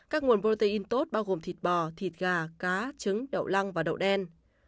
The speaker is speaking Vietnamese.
các nguồn protein tốt bao gồm thịt bò thịt gà cá trứng đậu lăng và đậu đen